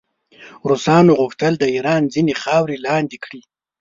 روسانو غوښتل د ایران ځینې خاورې لاندې کړي.